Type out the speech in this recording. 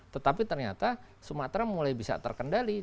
tetapi ternyata sumatera mulai bisa terkendali